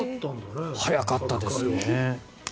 早かったんですね。